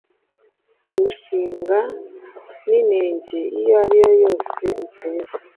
Umushinga ninenge iyo ari yo yose utera